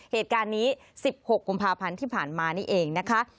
เหตุการณ์นี้๑๖กุมภาพันธ์ที่ผ่านมานี่เองนะคะ